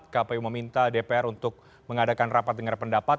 kpu meminta dpr untuk mengadakan rapat dengar pendapat